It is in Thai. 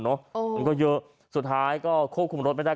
มันก็เยอะสุดท้ายก็ควบคุมรถไม่ได้